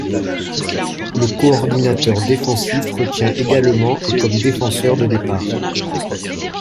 Le coordinateur défensif retient également et comme défenseurs de départ.